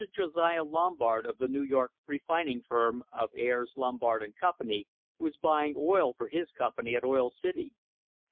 Josiah Lombard of the New York refining firm of Ayres, Lombard and Company was buying oil for his company at Oil City.